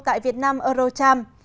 tại việt nam eurocharm